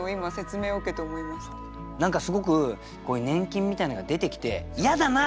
何かすごくこういう粘菌みたいなのが出てきて「嫌だな！